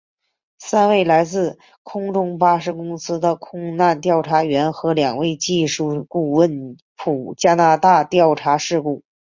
三位来自空中巴士公司的空难调查员和两位技术顾问赴加拿大调查事故。